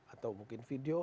atau mungkin video